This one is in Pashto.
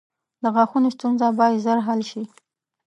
• د غاښونو ستونزه باید ژر حل شي.